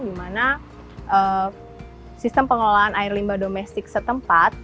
di mana sistem pengelolaan air limba domestik setempat